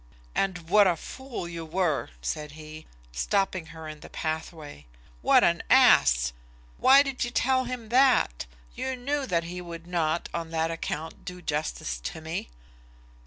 "And what a fool you were," said he, stopping her in the pathway. "What an ass! Why did you tell him that? You knew that he would not, on that account, do justice to me."